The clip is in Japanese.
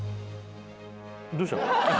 どうしたの？